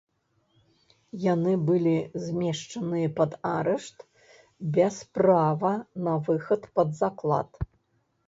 Яны былі змешчаныя пад арышт без права на выхад пад заклад.